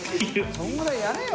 そのぐらいやれよ！